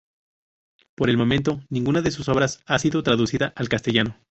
Por el momento ninguna de sus obras ha sido traducida al Castellano.